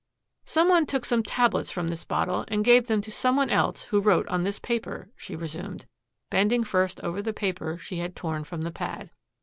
"Some one took some tablets from this bottle and gave them to some one else who wrote on this paper," she resumed, bending first over the paper she had torn from the pad.